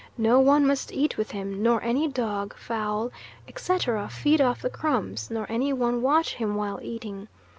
No one must eat with him, nor any dog, fowl, etc., feed off the crumbs, nor any one watch him while eating.